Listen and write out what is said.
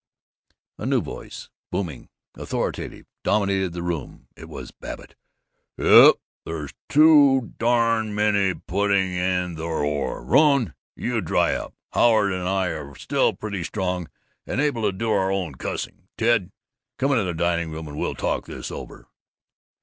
A new voice, booming, authoritative, dominated the room. It was Babbitt. "Yuh, there's too darn many putting in their oar! Rone, you dry up. Howard and I are still pretty strong, and able to do our own cussing. Ted, come into the dining room and we'll talk this over."